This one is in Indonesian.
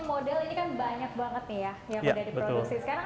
untuk menggunakan kaveling